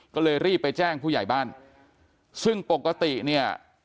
ก็เลยรีบไปแจ้งผู้ใหญ่บ้านซึ่งปกติเนี่ย